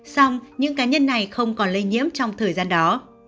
xong những cá nhân này không còn lây nhiễm trong thời gian đó